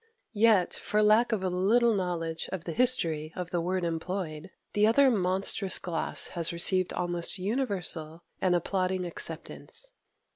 Yet, for lack of a little knowledge of the history of the word employed, the other monstrous gloss has received almost universal and applauding acceptance.